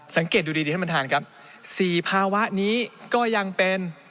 สังเกตดูดีดีท่านประธานครับสี่ภาวะนี้ก็ยังเป็น